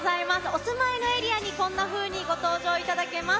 お住まいのエリアにこんなふうにご登場いただけます。